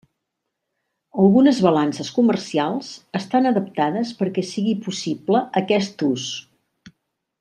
Algunes balances comercials estan adaptades perquè sigui possible aquest ús.